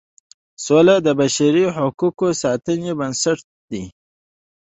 سوله د بشري حقوقو د ساتنې بنسټ دی.